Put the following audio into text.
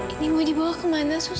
ini mau dibawa kemana